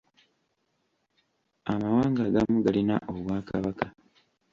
Amawanga agamu galina obw'akabaka.